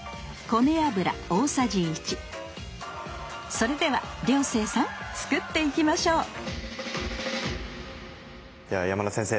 それでは涼星さん作っていきましょうでは山田先生